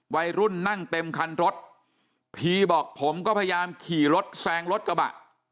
วัยรุ่นนั่งเต็มคันรถพีบอกผมก็พยายามขี่รถแซงรถกระบะ